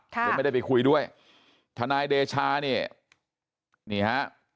ผมไม่ได้ไปคุยด้วยทนายเดชานี่นี่ฮะ